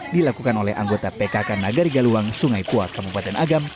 dilakukan oleh anggota pkk nagari galuang sungai tua kabupaten agam